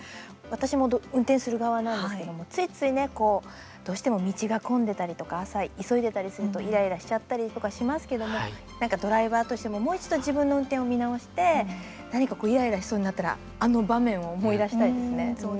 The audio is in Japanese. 私も運転する側なんですけども、ついついどうしても道が混んでたりとか朝、急いでたりするとイライラしちゃったりとかもしますけどもドライバーとしてももう一度、自分の運転を見直して何かイライラしそうになったらあの場面を思い出したいですね。